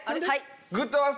はい。